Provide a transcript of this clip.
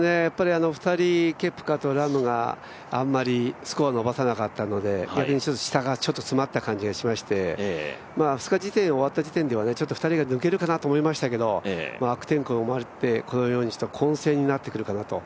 ２人、ケプカとラームがあんまりスコアを伸ばさなかったので逆に下がちょっと詰まった感じがしまして２日終わった時点ではちょっと２人が抜けるかなと思いましたけど悪天候もあって、このように混戦になってくるかなと。